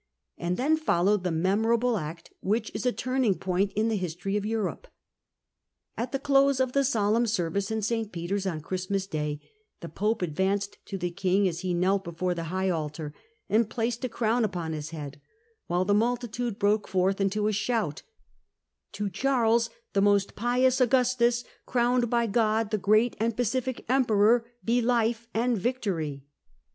And then followed the memorable act which is a turning point in the history of Europe. At the close of the solemn service in St. Peter's on Christmas Day, the pope advanced to the king as he Charles knelt before the high altar, and placed a em^r crown upou his head, while the multitude broke forth into a shout, * To Charles, the most pious Augustus, crowned by God, the great and pacific Emperor, be life and victory